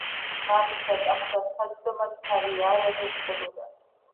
მამისა ტახტსა საჯდომად თავი არ ეღირსებოდ